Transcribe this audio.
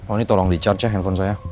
oh ini tolong di charge ya handphone saya